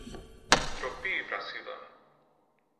Ντροπή, Βρασίδα!